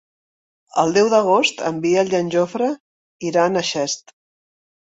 El deu d'agost en Biel i en Jofre iran a Xest.